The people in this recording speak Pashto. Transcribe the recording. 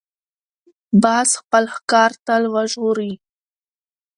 باز خپل ښکار تل وژغوري